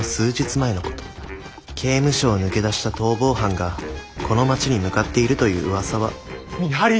刑務所を抜け出した逃亡犯がこの町に向かっているという噂は見張り。